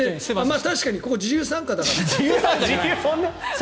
確かにここ、自由参加だからさ。